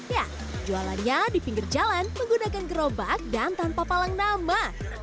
ya jualannya di pinggir jalan menggunakan gerobak dan tanpa palang nama